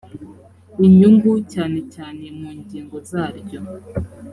inyungu cyane cyane mu ngingo zaryo